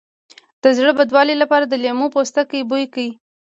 د زړه بدوالي لپاره د لیمو پوستکی بوی کړئ